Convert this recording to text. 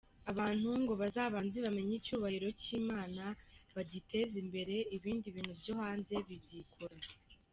Abantu ngo bazabanze bamenye icyubahiro cy’Imana bagiteze imbere, ibindi bintu byo hanze bizikora.